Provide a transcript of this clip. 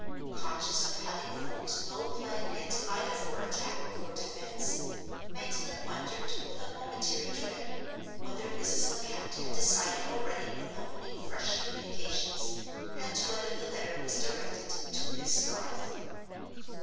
Conscious of having formed no plan yet either for attack or defense, Magdalen wondered, with a momentary dread, whether Mrs. Lecount had decided already on opening fresh communications, and whether the letter was directed to "Miss Garth."